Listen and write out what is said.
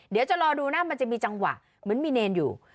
เดี๋ยวจะรอดูนะมันจะมีจังหวะเหมือนมีเนรอยู่